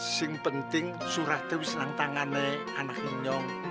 yang penting surat itu bisa ditangani anaknya